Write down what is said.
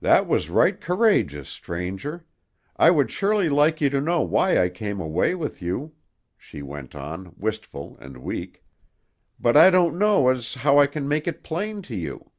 That was right courageous, stranger. I would surely like you to know why I come away with you," she went on, wistful and weak, "but I don't know as how I can make it plain to you."